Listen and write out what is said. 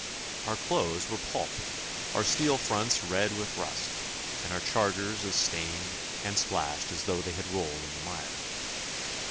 Our clothes were pulp, our steel fronts red with rust, and our chargers as stained and splashed as though they had rolled in the mire.